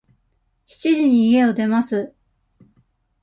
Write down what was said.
七時に家を出ます。